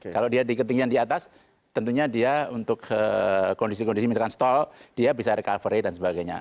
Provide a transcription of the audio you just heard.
kalau dia di ketinggian di atas tentunya dia untuk kondisi kondisi misalkan stall dia bisa recovery dan sebagainya